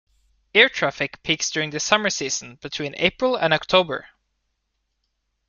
Air traffic peaks during the summer season, between April and October.